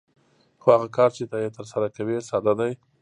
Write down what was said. خو هغه کار چې ته یې ترسره کوې ساده دی